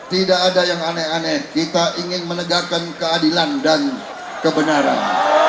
tidak ada yang aneh aneh kita ingin menegakkan keadilan dan kebenaran